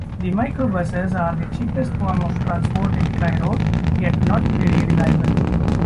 The Micro-buses are the cheapest form of transport in Cairo, yet not very reliable.